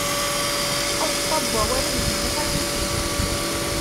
Aẓeṭṭa n wawalen n Mhenni Xalifi.